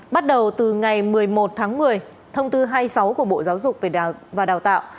bắt đầu từ ngày một mươi một tháng một mươi thông tư hai mươi sáu của bộ giáo dục về đào và đào tạo